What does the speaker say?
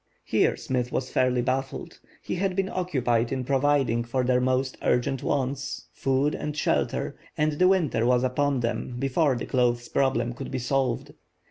Here Smith was fairly baffled. He had been occupied in providing for their most urgent wants, food and shelter, and the winter was upon them before the clothes problem could be solved.